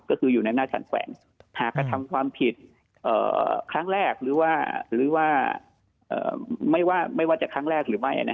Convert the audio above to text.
ก็คืออยู่ในหน้าฉันแขวงหากกระทำความผิดครั้งแรกหรือว่าไม่ว่าจะครั้งแรกหรือไม่